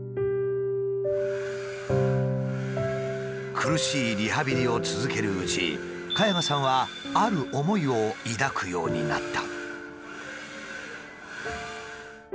苦しいリハビリを続けるうち加山さんはある思いを抱くようになった。